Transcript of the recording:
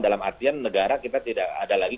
dalam artian negara kita tidak ada lagi